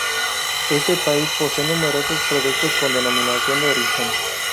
Este país posee numerosos productos con denominación de origen.